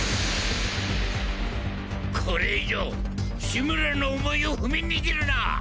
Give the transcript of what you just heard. これ以上志村の思いを踏みにじるな！